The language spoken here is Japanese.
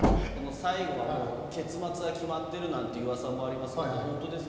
最後はもう、結末は決まってるなんていううわさもありますけど、本当ですか？